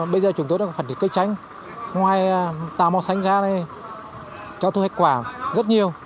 bây giờ chúng tôi đã phản định cây xanh ngoài tàu màu xanh ra này cho thu hoạch quả rất nhiều